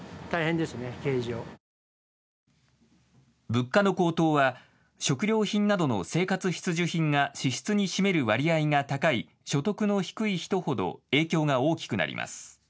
物価の高騰は食料品などの生活必需品が支出に占める割合が高い所得の低い人ほど影響が大きくなります。